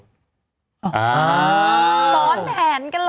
ซ้อนแผนกันร้อง